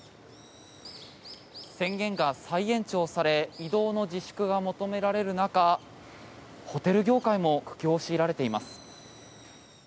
宣言が再延長され移動の自粛が求められる中ホテル業界も苦境を強いられています。